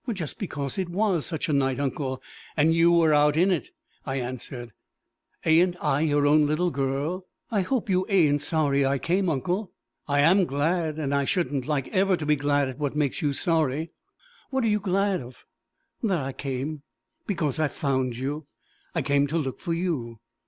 "Just because it was such a night, uncle, and you were out in it," I answered. "Ain't I your own little girl? I hope you ain't sorry I came, uncle! I am glad; and I shouldn't like ever to be glad at what made you sorry." "What are you glad of?" "That I came because I've found you. I came to look for you."